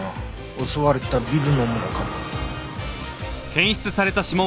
襲われたビルのものか。